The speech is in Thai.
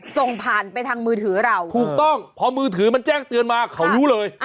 ส่งผ่านไปทางมือถือเราถูกต้องพอมือถือมันแจ้งเตือนมาเขารู้เลย